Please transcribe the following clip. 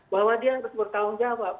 bahwa dia harus bertanggung jawab